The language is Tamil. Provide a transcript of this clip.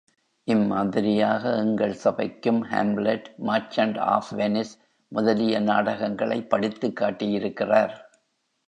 இம்மாதிரியாக எங்கள் சபைக்கும், ஹாம்லெட், மர்சென்ட் ஆப் வெனிஸ் முதலிய நாடகங்களைப் படித்துக் காட்டியிருக்கிறார்.